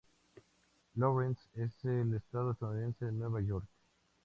Lawrence en el estado estadounidense de Nueva York.